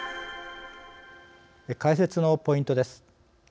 解説のポイントです。